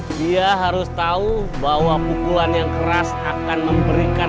dia harus tahu bahwa pukulan yang keras akan memberi dia kekuatan